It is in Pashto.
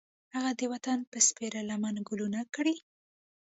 هغه د وطن په سپېره لمن ګلونه کري